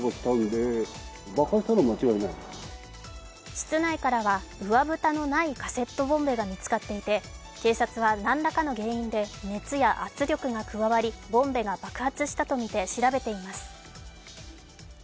室内からは上蓋のないカセットボンベが見つかっていて警察は何らかの原因で熱や圧力が加わりボンベが爆発したとみて調べています。